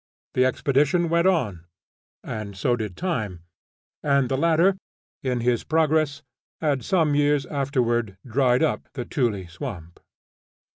The expedition went on and so did time, and the latter, in his progress, had some years afterward dried up the tulé swamp.